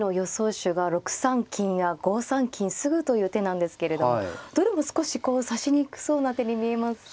手が６三金や５三金直という手なんですけれどもどれも少しこう指しにくそうな手に見えますが。